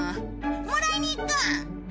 もらいに行こう。